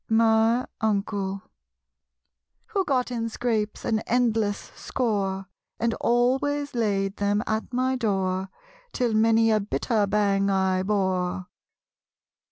My Uncle. Who got in scrapes, an endless score, And always laid them at my door, Till many a bitter bang I bore?